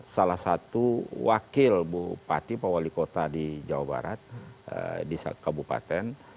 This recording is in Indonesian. salah satu wakil bupati pak wali kota di jawa barat di kabupaten